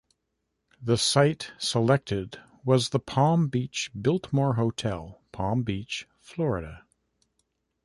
The site selected was the Palm Beach Biltmore Hotel, Palm Beach, Florida.